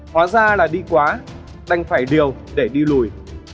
hóa ra là đi quá đành phải điều để đi lùi